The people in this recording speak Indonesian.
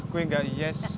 gue yang gak yes